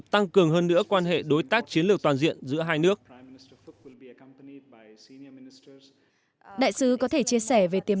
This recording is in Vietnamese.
tăng cường hơn nữa quan hệ đối tác chiến lược toàn diện giữa hai nước đại sứ có thể chia sẻ về tiềm